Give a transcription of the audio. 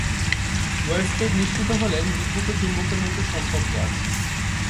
Oersted নিশ্চিত হলেন, বিদ্যুৎ ও চুম্বকের মধ্যে সম্পর্ক আছে।